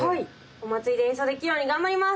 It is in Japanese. お祭りで演奏できるように頑張ります。